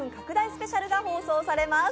スペシャルが放送されます。